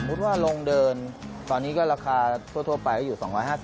สมมุติว่าลงเดินตอนนี้ก็ราคาทั่วไปอยู่๒๕๐๓๐๐